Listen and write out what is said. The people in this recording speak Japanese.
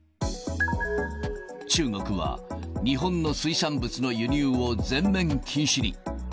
中国は日本の水産物の輸入を全面禁止に。